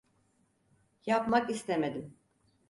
Yapmak istemedim.